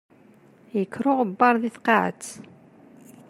Yekker uɣebbaṛ di tqaɛet.